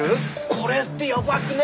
「これってやばくね？